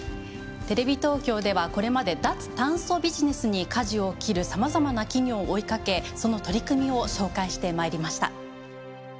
テレビ東京ではこれまで脱炭素ビジネスにかじを切るさまざまな企業を追いかけその取り組みを紹介してまいりました。